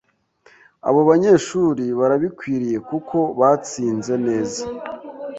Abo banyeshuri barabikwiriye kuko batsinze nezas